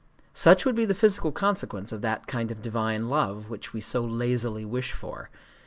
Such would be the physical consequence of that kind of divine love which we so lazily wish for.